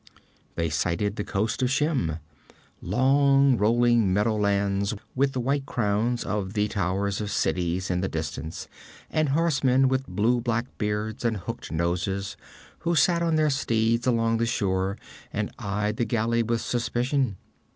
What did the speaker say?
They sighted the coast of Shem long rolling meadowlands with the white crowns of the towers of cities in the distance, and horsemen with blue black beards and hooked noses, who sat their steeds along the shore and eyed the galley with suspicion.